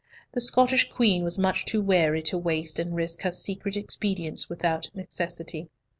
The Scottish Queen was much too wary to waste and risk her secret expedients without necessity.